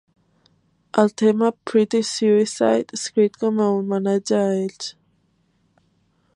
El tema "Pretty Suicide" escrit com a homenatge a ells.